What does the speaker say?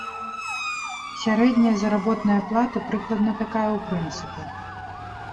Сярэдняя заработная плата прыкладна такая, у прынцыпе.